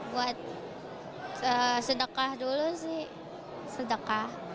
buat sedekah dulu sih